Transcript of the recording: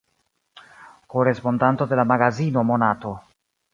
Korespondanto de la magazino Monato.